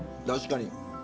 確かに。